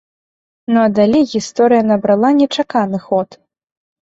Ну а далей гісторыя набрала нечаканы ход.